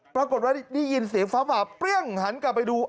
ปรากฏว่าได้ยินเสียงฟ้าผ่าเปรี้ยงหันกลับไปดู